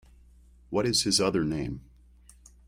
What’s his other name?